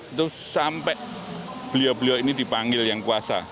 itu sampai beliau beliau ini dipanggil yang kuasa